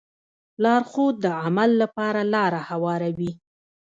لارښود د عمل لپاره لاره هواروي.